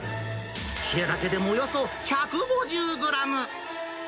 ヒレだけでもおよそ１５０グラム。